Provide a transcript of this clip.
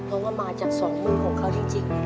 เพราะว่ามาจากสองมือของเขาจริง